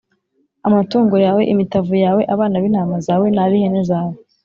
amatungo yawe, imitavu yawe, abana b’intama zawe n’ab’ihene zawe.